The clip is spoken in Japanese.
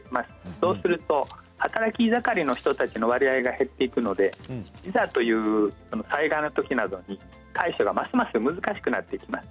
そうすると働き盛りの人たちの割合が減っていくのでいざという災害のときなどに対処がますます難しくなってきます。